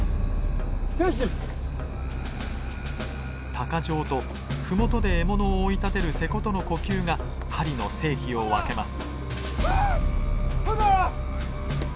鷹匠と麓で獲物を追い立てる勢子との呼吸が狩りの成否を分けます。